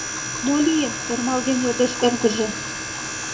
Мо лийын? — ӧрмалген йодеш эргыже.